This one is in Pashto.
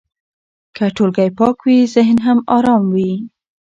که ټولګی پاک وي، ذهن هم ارام وي.